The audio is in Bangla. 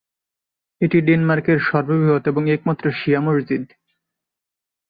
এটি ডেনমার্কের সর্ববৃহৎ এবং একমাত্র শিয়া মসজিদ।